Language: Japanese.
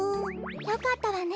よかったわね